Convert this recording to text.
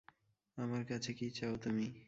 আমার কাছে কী চাও তুমি।